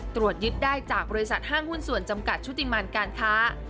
ตรวจยึดได้จากบริษัทห้างหุ้นส่วนจำกัดชุติมันการค้า